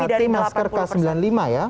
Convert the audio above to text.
seperti masker k sembilan puluh lima ya